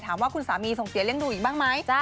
ถามว่าคุณสามีสงเกียร์เลี่ยงดูอีกบ้างไหม